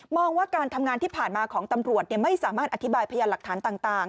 ว่าการทำงานที่ผ่านมาของตำรวจไม่สามารถอธิบายพยานหลักฐานต่าง